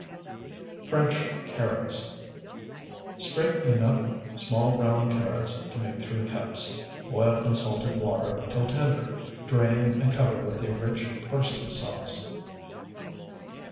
FRENCH CARROTS Scrape enough small round carrots to make three cups; boil in salted water till tender; drain, and cover with a rich parsley sauce.